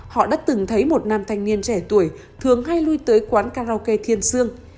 họ đã từng thấy một nam thanh niên trẻ tuổi thường hay lui tới quán karaoke thiên sương